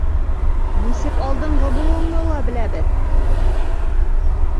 Нисек алдынғы булыуыңды ла беләбеҙ!